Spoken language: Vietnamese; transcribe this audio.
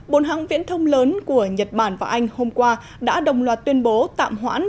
bốn hãng viễn thông lớn của nhật bản và anh hôm qua đã đồng loạt tuyên bố tạm hoãn